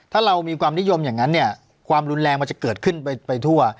ถ้าเรามีความนิยมอย่างนั้นเนี่ยความรุนแรงมันจะเกิดขึ้นไปทั่ว